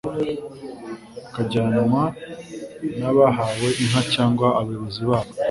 akajyanwa n abahawe inka cyangwa abayobozi babo